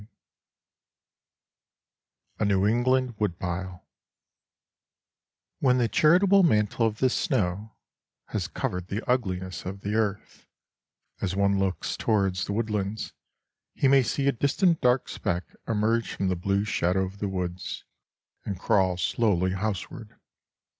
XLIX A NEW ENGLAND WOODPILE When the charitable mantle of the snow has covered the ugliness of the earth, as one looks towards the woodlands he may see a distant dark speck emerge from the blue shadow of the woods and crawl slowly houseward.